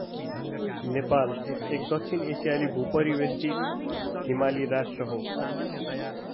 नेपाल, एक दक्षिण एसियाली भूपरिवेष्ठित हिमाली राष्ट्र हो ।